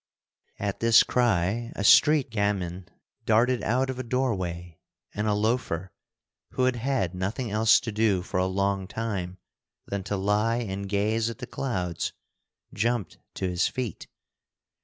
At this cry a street gamin darted out of a doorway, and a loafer, who had had nothing else to do for a long time than to lie and gaze at the clouds, jumped to his feet.